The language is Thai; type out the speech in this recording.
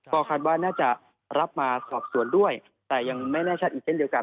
ก็คาดว่าน่าจะรับมาสอบสวนด้วยแต่ยังไม่แน่ชัดอีกเช่นเดียวกัน